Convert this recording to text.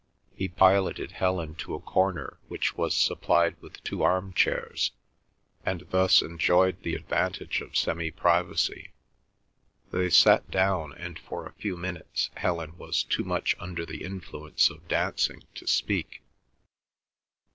He piloted Helen to a corner which was supplied with two arm chairs, and thus enjoyed the advantage of semi privacy. They sat down, and for a few minutes Helen was too much under the influence of dancing to speak.